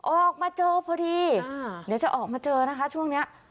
ออกมาเจอพอดีเดี๋ยวจะออกมาเจอนะคะช่วงนี้